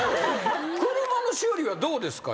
車の修理はどうですか？